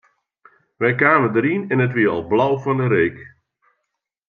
Wy kamen deryn en it wie al blau fan 'e reek.